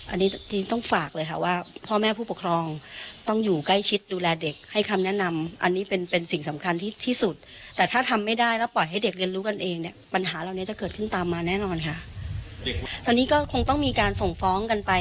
อันนี้จริงต้องฝากเลยค่ะว่าพ่อแม่ผู้ปกครองต้องอยู่ใกล้ชิดดูแลเด็กให้คำแนะนำ